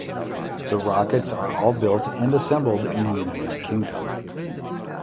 The rockets are all built and assembled in the United Kingdom.